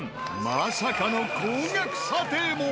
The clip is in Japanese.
まさかの高額査定も！